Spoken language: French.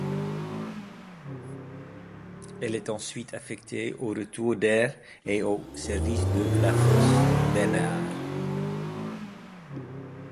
Elle est ensuite affectée au retour d'air et au service de la fosse Bernard.